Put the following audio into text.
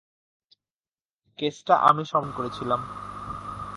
কেসটা আমি সমাধান করেছিলাম।